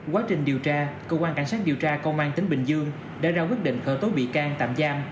quá trình điều tra cơ quan cảnh sát điều tra công an tỉnh bình dương đã ra quyết định khởi tố bị can tạm giam